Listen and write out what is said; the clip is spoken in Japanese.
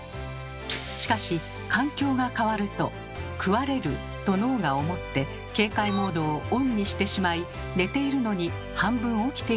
しかし環境が変わると「食われる」と脳が思って警戒モードをオンにしてしまい寝ているのに半分起きている状態になるのです。